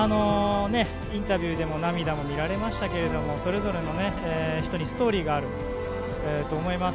インタビューでも涙も見られましたけれどもそれぞれの人にストーリーがあると思います。